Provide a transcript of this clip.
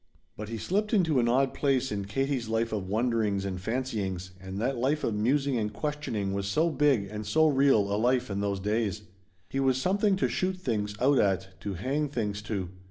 But he slipped into an odd place in Katie's life of wonderings and fancyings, and that life of musing and questioning was so big and so real a life in those days. He was something to shoot things out at, to hang things to.